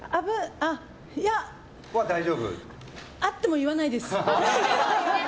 いや、あっても言わないです。